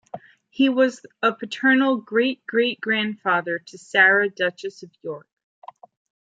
He was a paternal great-great-grandfather to Sarah, Duchess of York.